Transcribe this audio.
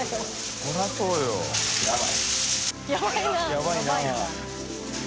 「やばいなぁ」